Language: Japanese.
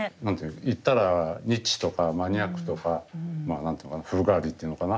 言ったらニッチとかマニアックとかまあ何て言うのかな風変わりっていうのかな。